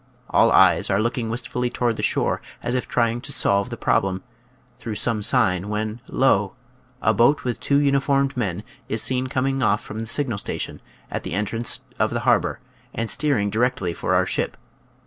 All eyes are looking wistfully toward the shore, as if trying to solve the problem, through some sign, when, lol a boat with two uniformed men, is seen coming off from the signal station, at the entrance of the harbor, and steering directly for our ship.